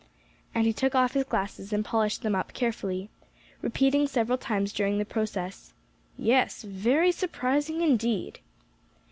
And he took off his glasses and polished them up carefully, repeating several times during the process, "Yes, very surprising indeed!"